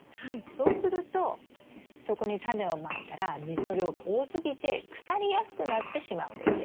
そうするとそこにタネをまいたら水の量が多すぎて腐りやすくなってしまうんですよ。